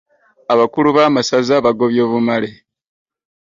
Abakulu b'amasaza bagobye bumale.